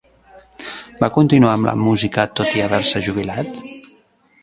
Va continuar amb la música tot i haver-se jubilat?